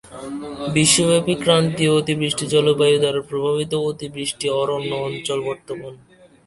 বিশ্বব্যাপী ক্রান্তীয় অতিবৃষ্টি জলবায়ু দ্বারা প্রভাবিত অতিবৃষ্টি অরণ্য অঞ্চল বর্তমান।